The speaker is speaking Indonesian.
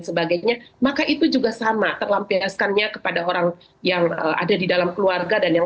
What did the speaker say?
sebagainya maka itu juga sama terlampiaskannya kepada orang yang ada di dalam keluarga dan yang